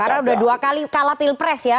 karena sudah dua kali kalah pil pres ya